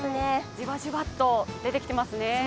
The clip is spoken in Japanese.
じわじわと出てきていますね。